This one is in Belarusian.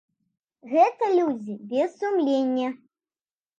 Гэта людзі без сумлення.